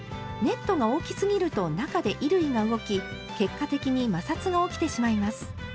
ネットが大きすぎると中で衣類が動き結果的に摩擦が起きてしまいます。